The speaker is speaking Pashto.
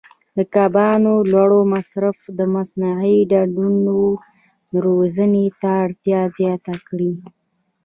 د کبانو لوړ مصرف د مصنوعي ډنډونو روزنې ته اړتیا زیاته کړې.